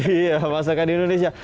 iya masakan indonesia